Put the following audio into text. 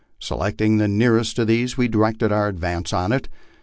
Selecting the nearest of these, we directed our advance on it.